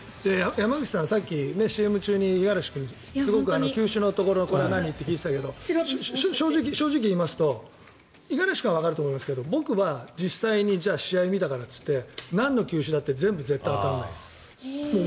山口さん、さっきＣＭ中に五十嵐君に球種のところこれは何？って聞いていたけど正直なところ言いますと五十嵐君はわかると思いますけど僕は実際、試合を見てもなんの球種だって全部わからないです。